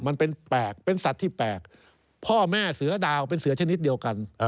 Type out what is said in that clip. มันเป็นแปลกเป็นสัตว์ที่แปลกพ่อแม่เสือดาวเป็นเสือชนิดเดียวกัน